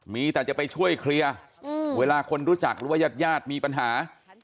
มีแต่จะไปช่วยเคลียร์เวลาคนรู้จักหรือว่ายาดมีปัญหา